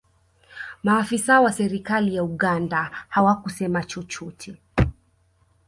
maafisa wa serikali ya uganda hawakusema chochote